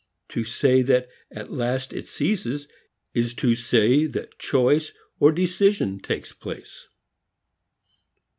To say that at last it ceases is to say that choice, decision, takes place.